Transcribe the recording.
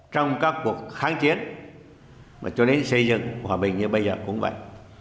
trong các cuộc kháng chiến cho đến xây dựng hòa bình như bây giờ cũng vậy